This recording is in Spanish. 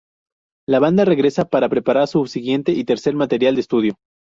La banda regresa para preparar su siguiente y tercer material de estudio.